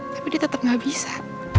tapi dia tetap nggak bisa